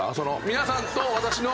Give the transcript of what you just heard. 皆さんと私の。